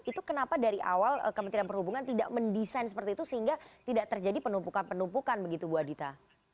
itu kenapa dari awal kementerian perhubungan tidak mendesain seperti itu sehingga tidak terjadi penumpukan penumpukan begitu bu adita